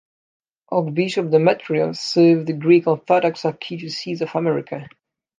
Archbishop Demetrios served the Greek Orthodox Archdiocese of America.